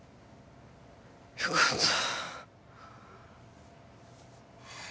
よかった。